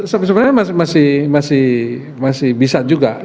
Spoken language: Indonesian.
sebenarnya masih bisa juga